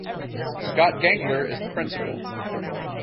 Scott Gengler is the Prinicpal.